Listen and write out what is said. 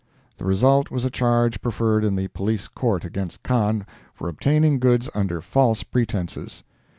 The result was a charge preferred in the Police Court against Kahn, for obtaining goods under false pretences.